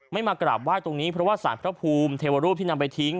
มากราบไหว้ตรงนี้เพราะว่าสารพระภูมิเทวรูปที่นำไปทิ้ง